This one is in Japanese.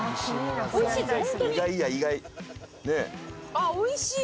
あっおいしい！